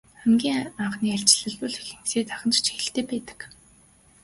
Хамгийн анхны айлчлал бол ихэнхдээ тагнах чиглэлтэй байдаг.